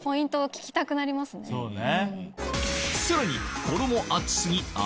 そうね。